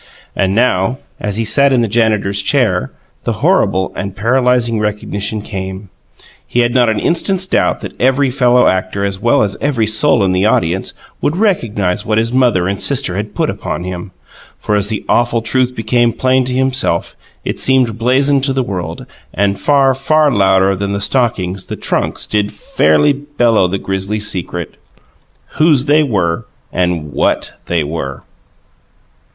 And now, as he sat in the janitor's chair, the horrible and paralyzing recognition came. He had not an instant's doubt that every fellow actor, as well as every soul in the audience, would recognize what his mother and sister had put upon him. For as the awful truth became plain to himself it seemed blazoned to the world; and far, far louder than the stockings, the trunks did fairly bellow the grisly secret: WHOSE they were and WHAT they were!